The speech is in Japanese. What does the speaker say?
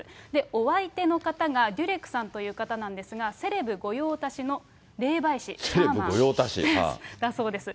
お相手の方がデュレクさんという方なんですが、セレブ御用達の霊媒師、シャーマンだそうです。